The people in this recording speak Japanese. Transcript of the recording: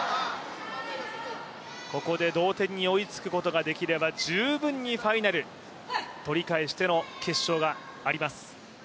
ここで同点に追いつくことができれば十分にファイナル、取り返しての決勝があります。